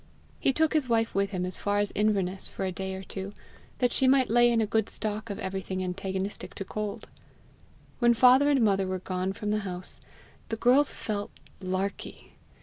He took his wife with him as far as Inverness for a day or two, that she might lay in a good stock of everything antagonistic to cold. When father and mother were gone from the house, the girls felt LARKY.